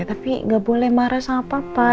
tapi nggak boleh marah sama papa